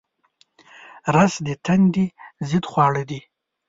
رس د تندې ضد خواړه دي